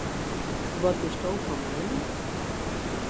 Wat bisto fan miening?